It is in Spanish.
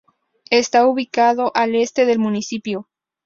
Está ubicado al este del municipio.